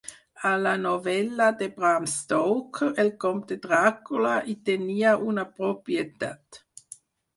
A la novel·la de Bram Stoker, el compte Dràcula hi tenia una propietat.